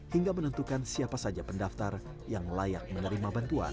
hingga menentukan siapa saja pendaftar yang layak menerima bantuan